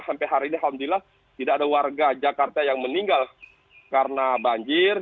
sampai hari ini alhamdulillah tidak ada warga jakarta yang meninggal karena banjir